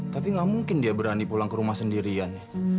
tapi nggak mungkin dia berani pulang ke rumah sendirian